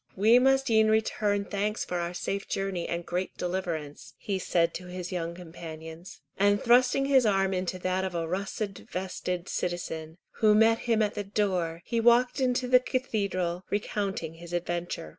"We must e'en return thanks for our safe journey and great deliverance," he said to his young companions, and thrusting his arm into that of a russet vested citizen, who met him at the door, he walked into the cathedral, recounting his adventure.